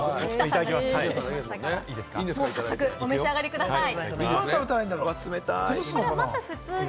早速お召し上がりください。